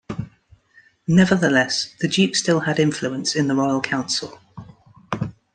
Nevertheless, the Duke still had influence in the Royal Council.